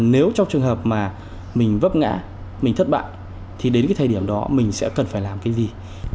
nếu trong trường hợp mà mình vấp ngã mình thất bại thì đến cái thời điểm đó mình sẽ cần phải làm cái gì